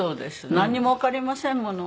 なんにもわかりませんもの。